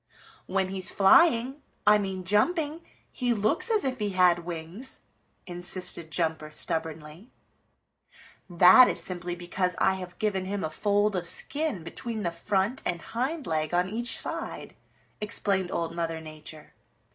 "When he's flying, I mean jumping, he looks as if he had wings," insisted Jumper stubbornly. "That is simply because I have given him a fold of skin between the front and hind leg on each side," explained Old Mother Nature.